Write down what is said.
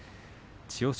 千代翔